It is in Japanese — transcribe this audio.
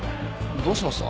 どうしました？